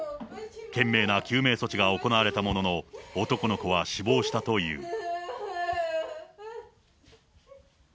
懸命な救命措置が行われたものの、男の子は死亡したという。